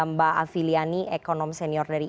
mbak afi liani ekonom senior dari